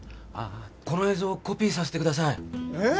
この映像コピーさしてくださいええ！？